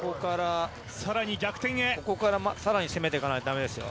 ここから更に攻めていかないと駄目ですよ。